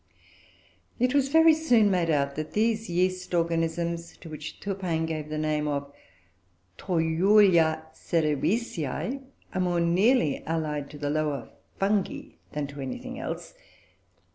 It was very soon made out that these yeast organisms, to which Turpin gave the name of Torula cerevisioe, were more nearly allied to the lower Fungi than to anything else.